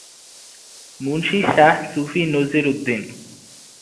Munshi Shah Sufi Nazir Uddin